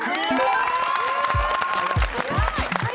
・すごい！